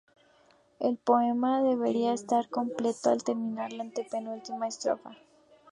El poema debiera estar completo al terminar la antepenúltima estrofa.